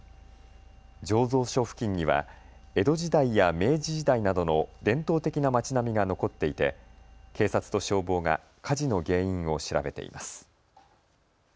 醸造所付近には江戸時代や明治時代などの伝統的な町並みが残っていて警察と消防が火事の原因を調べています。